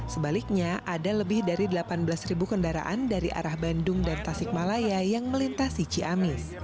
sebaliknya ada lebih dari delapan belas ribu kendaraan dari arah bandung dan tasikmalaya yang melintasi ciamis